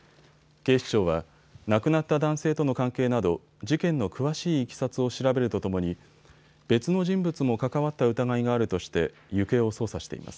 警視庁は亡くなった男性との関係など事件の詳しいいきさつを調べるとともに別の人物も関わった疑いがあるとして行方を捜査しています。